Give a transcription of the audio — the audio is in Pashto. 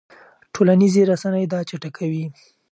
ټولنیزې رسنۍ دا چټکوي.